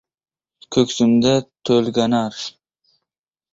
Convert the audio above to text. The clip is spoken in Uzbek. Ko‘ksimda to‘lganar